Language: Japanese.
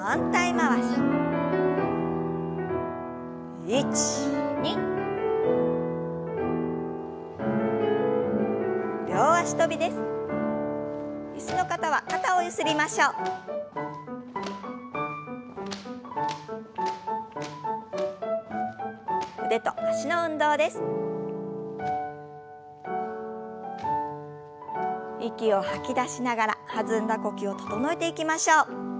息を吐き出しながら弾んだ呼吸を整えていきましょう。